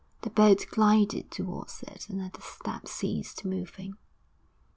The boat glided towards it and at the steps ceased moving.